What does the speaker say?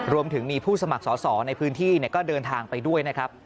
รวมถึงมีผู้สมัครสอสอในพื้นที่ก็เดินทางไปด้วยนะครับ